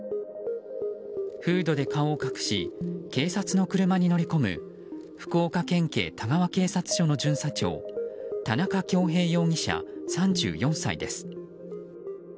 フードで顔を隠し警察の車に乗り込む福岡県警田川警察署の巡査長田中恭平容疑者、３４歳です。